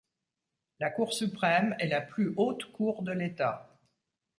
La Cour suprême est la plus haute cour de l’État.